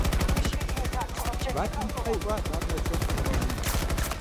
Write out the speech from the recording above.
Батэм тхьэ иӀуат ар Начом хуимыгъэгъуну.